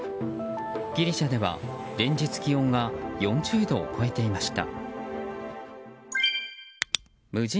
ギリシャでは連日気温が４０度を超えていました。